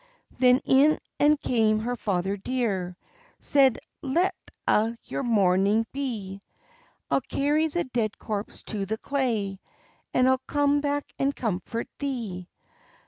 Then in and came her father dear; Said,—"Let a' your mourning be: I'll carry the dead corpse to the clay, And I'll come back and comfort thee."